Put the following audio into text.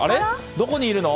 どこにいるの？